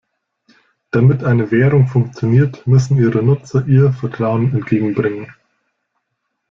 Damit eine Währung funktioniert, müssen ihre Nutzer ihr Vertrauen entgegenbringen.